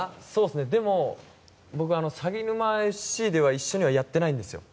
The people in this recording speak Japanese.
でも僕はさぎぬまＳＣでは一緒にやってないんですよ。